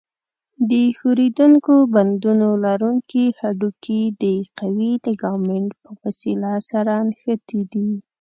د ښورېدونکو بندونو لرونکي هډوکي د قوي لیګامنت په وسیله سره نښتي دي.